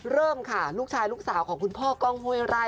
เริ่มค่ะลูกชายลูกสาวของคุณพ่อกล้องห้วยไร่